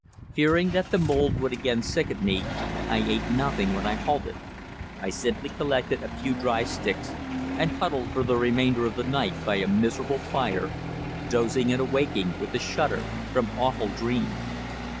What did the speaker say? Fearing that the mould would again sicken me, I ate nothing when I halted; I simply collected a few dry sticks and huddled for the remainder of the night by a miserable fire, dozing and awaking with a shudder from awful dreams.